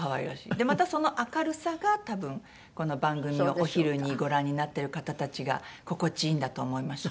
でまたその明るさが多分この番組をお昼にご覧になってる方たちが心地いいんだと思いました。